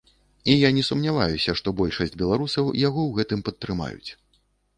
І я не сумняваюся, што большасць беларусаў яго ў гэтым падтрымаюць.